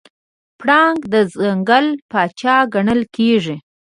پړانګ د ځنګل پاچا ګڼل کېږي.